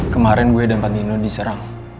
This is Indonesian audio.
kemarin gue dan pandino diserang